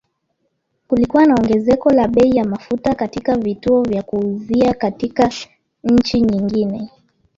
Kulikuwa na ongezeko la bei ya mafuta katika vituo vya kuuzia katika nchi nyingine